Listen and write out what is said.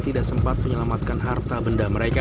tidak sempat menyelamatkan harta benda mereka